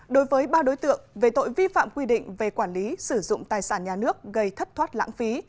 đối với ba đối tượng về tội vi phạm quy định về quản lý sử dụng tài sản nhà nước gây thất thoát lãng phí